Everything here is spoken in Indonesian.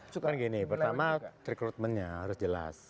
suka gini pertama rekrutmennya harus jelas